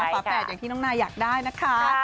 ฝาแฝดอย่างที่น้องนายอยากได้นะคะ